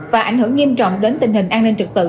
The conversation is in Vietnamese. và ảnh hưởng nghiêm trọng đến tình hình an ninh trực tự